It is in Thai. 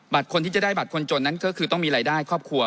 คนที่จะได้บัตรคนจนนั้นก็คือต้องมีรายได้ครอบครัว